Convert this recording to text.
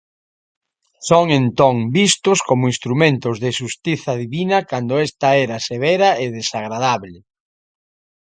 Son entón vistos como instrumentos de xustiza divina cando esta era severa e desagradable.